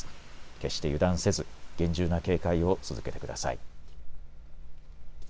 決して油断せず厳重な警戒を続けてください。